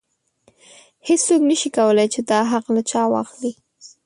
هیڅوک نشي کولی چې دا حق له چا واخلي.